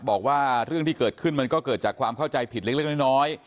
บอกว่าเรื่องที่เกิดขึ้นมันก็เกิดจากความเข้าใจผิดเล็กน้อย